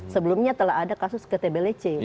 sebelumnya telah ada kasus kesehatan